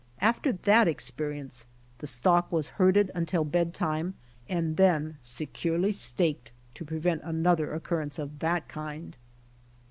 After that experience the stock was herded until bed time, and then securely staked to prevent another occurrence of that kind.